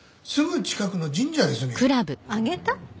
すぐ近くの神社ですね。